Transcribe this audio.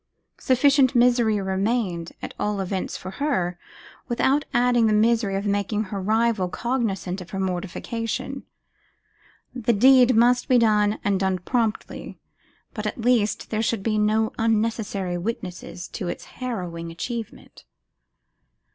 Sufficient misery remained, at all events, for her, without adding the misery of making her rival cognizant of her mortification. The deed must be done, and done promptly; but, at least, there should be no unnecessary witnesses to its harrowing achievement.